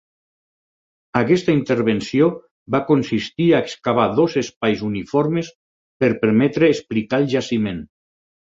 Aquesta intervenció va consistir a excavar dos espais uniformes per permetre explicar el jaciment.